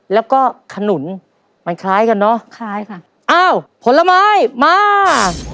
แล้วก็ขนุนมันคล้ายกันเนอะคล้ายค่ะอ้าวผลไม้มา